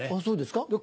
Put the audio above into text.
そうですか？